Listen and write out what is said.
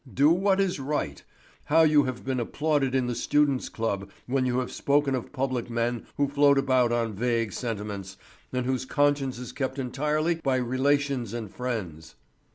Do what is right! How you have been applauded in the Students' Club when you have spoken of public men who float about on vague sentiments, and whose conscience is kept entirely by relations and friends.